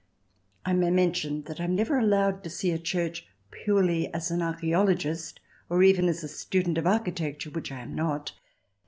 I may mention that I am never allowed to see a church purely as an archaeologist, or even as a student of architecture, which I am not.